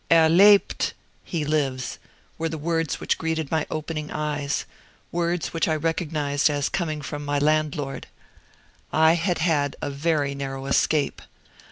"Er Lebt" (he lives) were the words which greeted my opening eyes words which I recognized as coming from my landlord. I had had a very narrow escape.